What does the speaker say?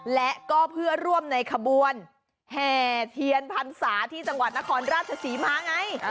และก็เพื่อร่วมในขบวนแห่เทียนพรรษาที่จังหวัดนครราชศรีมาไง